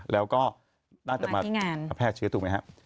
แล้วก็น่าจะมาแผ่เชื้อถูกไหมฮะ